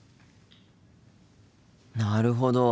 なるほど。